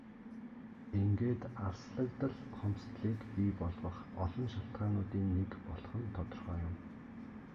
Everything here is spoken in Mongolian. Ингээд алслагдал хомсдолыг бий болгох олон шалтгаануудын нэг болох нь тодорхой юм.